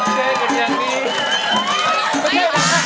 ต่อเจกต์อย่างนี้